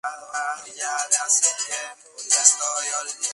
Se le concedió los derechos de autor estadounidenses No.